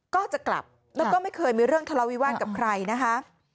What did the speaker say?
ก็จะกลับแล้วก็ไม่เคยมีเรื่องทะเลาวิวาสกับใครนะคะ